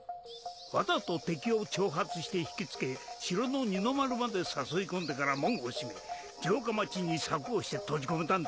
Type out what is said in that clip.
わざと敵を挑発して引きつけ城の二の丸まで誘い込んでから門を閉め城下町に柵をして閉じ込めたんだ。